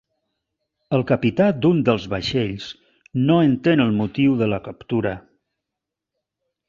El capità d'un dels vaixells no entén el motiu de la captura